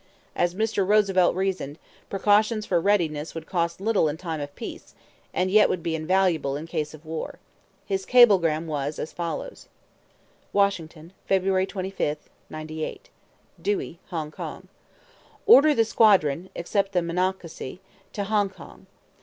As Mr. Roosevelt reasoned, precautions for readiness would cost little in time of peace, and yet would be invaluable in case of war. His cablegram was as follows: "'Washington, February 25, '98. "'Dewey, Hong Kong: "'Order the squadron, except the Monocacy, to Hong Kong.